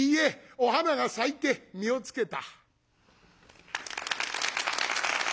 お花が咲いて身をつけた」。